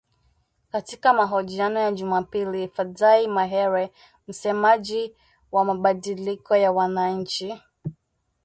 Katika mahojiano ya Jumapili, Fadzayi Mahere, msemaji wa mabadiliko ya wananchi.